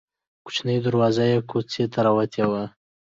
کوچنۍ دروازه یې کوڅې ته راوتې ده.